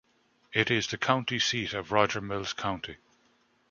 It is the county seat of Roger Mills County.